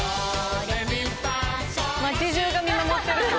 町じゅうが見守ってる。